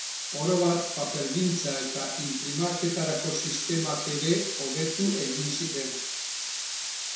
Orobat papergintza eta inprimaketarako sistemak ere hobetu egin ziren.